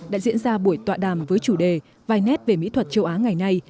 đã diễn ra buổi tọa đàm với chủ đề vài nét về mỹ thuật châu á ngày nay